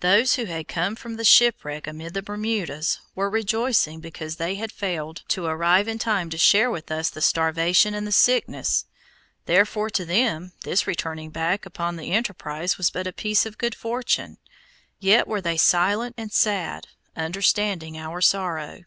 Those who had come from the shipwreck amid the Bermudas, were rejoicing because they had failed to arrive in time to share with us the starvation and the sickness, therefore to them this turning back upon the enterprise was but a piece of good fortune. Yet were they silent and sad, understanding our sorrow.